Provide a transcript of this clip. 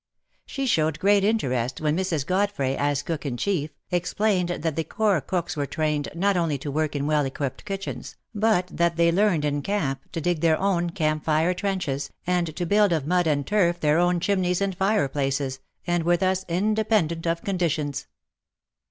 She showed great interest when Mrs. Godfray, as Cook in chief, explained that the Corps cooks were trained not only to work in well equipped kitchens, but that they learned in camp to dig their own camp fire trenches, and to build of mud and turf, their own chimneys and fireplaces, and were thus inde pendent of conditions.